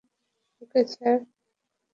ওকে, sir!